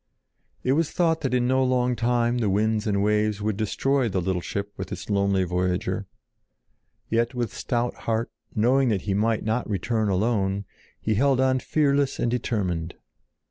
It was thought that in no long time the winds and the waves would destroy the little ship with its lonely voyager; yet with stout heart, knowing that he might not return alone, he held on fearless and determined.